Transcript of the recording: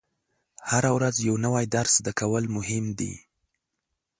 هره ورځ یو نوی درس زده کول مهم دي.